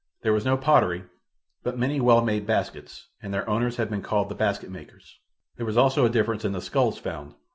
There was no pottery, but many well made baskets, and their owners have been called the basket makers. There was also a difference in the skulls found.